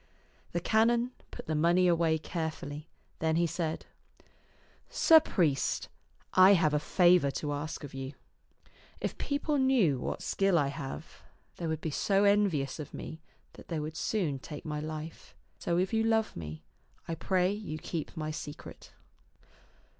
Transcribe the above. The canon put the money away carefully ; then he said, " Sir priest, I have a favor to ask of you. If people knew what skill I have, they would be so envious of me that they would soon take my life. So if you love me, I pray you keep my secret."